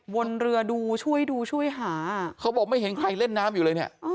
วนเรือดูช่วยดูช่วยหาเขาบอกไม่เห็นใครเล่นน้ำอยู่เลยเนี่ย